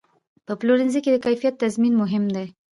په پلورنځي کې د کیفیت تضمین مهم دی.